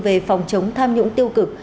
về phòng chống tham nhũng tiêu cực